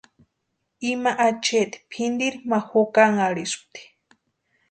Ima acheeti pʼinteri ma jukanharhispti.